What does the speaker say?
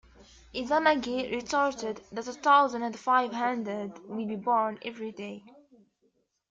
Izanagi retorted that a thousand and five hundred will be born every day.